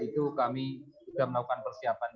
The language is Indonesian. itu kami sudah melakukan persiapan